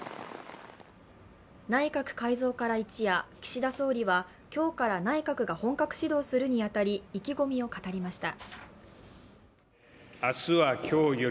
内閣改造から一夜、岸田総理は、今日から内閣が本格始動するにあたり、意気込みを語りました。